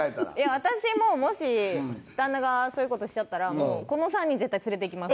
私もうもし旦那がそういう事しちゃったらこの３人絶対連れていきます。